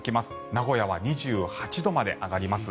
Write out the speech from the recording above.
名古屋は２８度まで上がります。